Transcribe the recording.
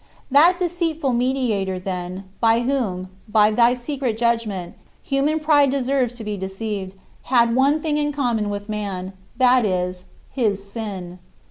That deceitful mediator, then, by whom, by thy secret judgment, human pride deserves to be deceived, had one thing in common with man, that is, his sin.